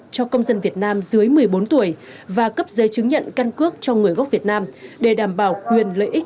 cho công dân việt nam dưới một mươi bốn tuổi và cấp giấy chứng nhận căn cước cho người gốc việt nam để đảm bảo quyền lợi ích